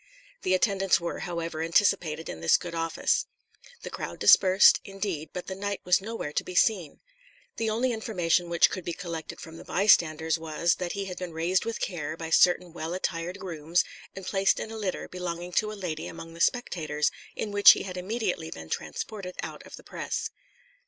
The attendants were, however, anticipated in this good office. The crowd dispersed, indeed, but the knight was nowhere to be seen. The only information which could be collected from the bystanders was, that he had been raised with care by certain well attired grooms, and placed in a litter belonging to a lady among the spectators, in which he had immediately been transported out of the press.